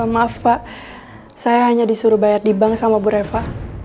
maaf pak saya hanya disuruh bayar di bank sama bu reva